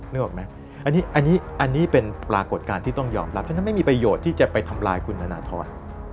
นึกออกไหมอันนี้เป็นปรากฏการณ์ที่ต้องยอมรับฉะนั้นไม่มีประโยชน์ที่จะไปทำลายคุณธนทร